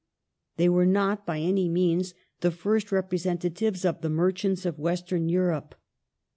They were not by any means the fii*st representatives of the merchants of Western Europe.